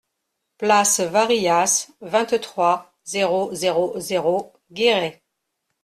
Place Varillas, vingt-trois, zéro zéro zéro Guéret